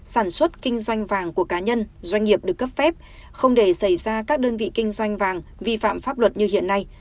sản xuất kinh doanh vàng của cá nhân doanh nghiệp được cấp phép không để xảy ra các đơn vị kinh doanh vàng vi phạm pháp luật như hiện nay